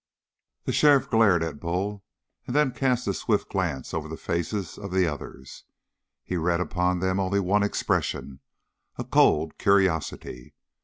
The sheriff glared at Bull and then cast a swift glance over the faces of the others. He read upon them only one expression a cold curiosity.